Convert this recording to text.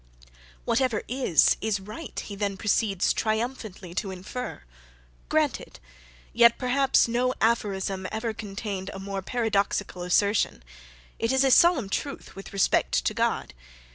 "Whatever is, is right," he then proceeds triumphantly to infer. Granted; yet, perhaps, no aphorism ever contained a more paradoxical assertion. It is a solemn truth with respect to God.